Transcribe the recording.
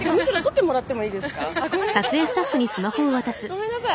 ごめんなさい。